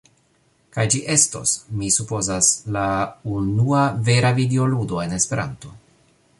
kaj ĝi estos, mi supozas, la unua vera videoludo en Esperanto.